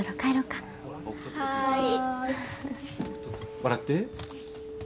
笑って。